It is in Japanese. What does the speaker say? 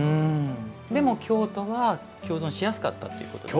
でも京都は共存しやすかったということですか。